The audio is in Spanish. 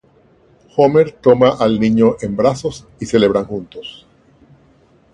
Homer toma al niño en brazos y celebran juntos.